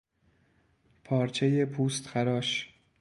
پارچهی پوستخراش